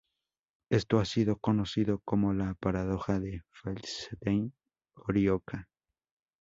Esto ha sido conocido como la paradoja de Feldstein-Horioka.